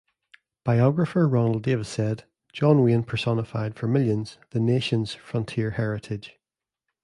Biographer Ronald Davis said, John Wayne personified for millions the nation's frontier heritage.